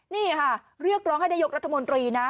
นี่ค่ะเรียกร้องให้นายกรัฐมนตรีนะ